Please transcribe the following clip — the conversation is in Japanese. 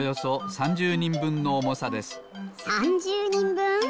３０にんぶん！？